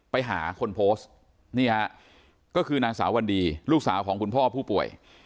ไปหาคนโพสต์นี่ฮะก็คือนางสาววันดีลูกสาวของคุณพ่อผู้ป่วย